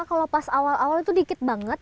kalau pas awal awal itu dikit banget